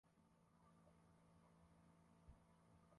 sukari ya damu ya inaweza kupanda sana kuliko kawaida